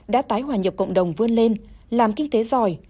đã tái hòa nhập cộng đồng vươn lên làm kinh tế giỏi